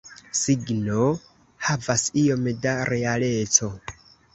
Signo havas iom da realeco.